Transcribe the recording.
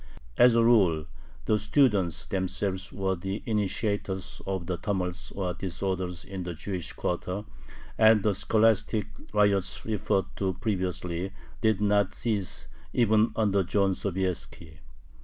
As a rule, the students themselves were the initiators of the "tumults" or disorders in the Jewish quarter, and the scholastic riots referred to previously did not cease even under John Sobieski.